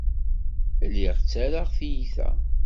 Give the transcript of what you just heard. Lliɣ ttarraɣ tiyita.